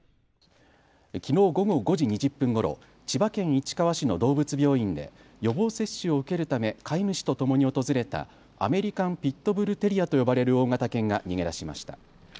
きのう午後５時２０分ごろ千葉県市川市の動物病院で予防接種を受けるため飼い主とともに訪れたアメリカン・ピット・ブル・テリアと呼ばれる大型犬が逃げ出しました。